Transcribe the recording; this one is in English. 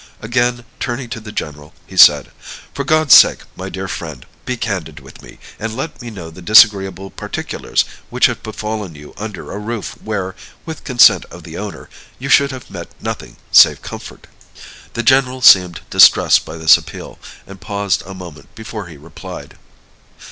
Again turning to the general, he said: "For God's sake, my dear friend, be candid with me, and let me know the disagreeable particulars which have befallen you under a roof where, with consent of the owner, you should have met nothing save comfort." The general seemed distressed by this appeal, and paused a moment before he replied.